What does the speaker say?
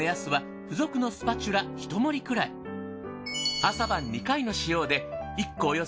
朝晩２回の使用で。